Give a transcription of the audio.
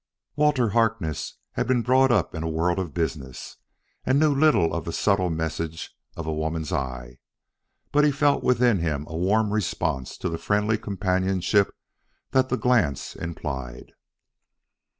Walter Harkness had been brought up in a world of business, and knew little of the subtle message of a woman's eyes. But he felt within him a warm response to the friendly companionship that the glance implied.